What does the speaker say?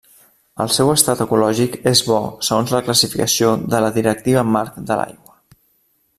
El seu estat ecològic és bo segons la classificació de la Directiva marc de l'aigua.